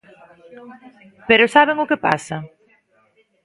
¿Pero saben o que pasa?